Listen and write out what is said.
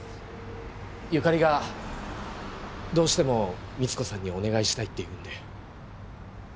由香利がどうしても三津子さんにお願いしたいって言うんで。